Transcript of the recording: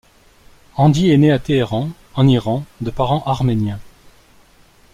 Andy est né à Téhéran en Iran de parents arméniens.